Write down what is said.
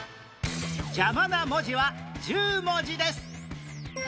邪魔な文字は１０文字です